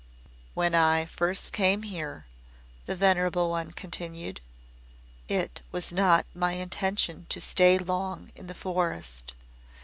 "When I first came here" the Venerable one continued "it was not my intention to stay long in the forest.